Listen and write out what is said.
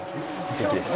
元気です。